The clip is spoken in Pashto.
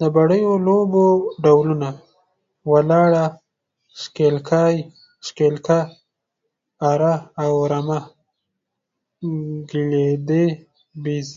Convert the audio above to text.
د بډیو لوبو ډولونه، ولاړه، شکیلاله، اره او رمه، ګیلدي، بیز …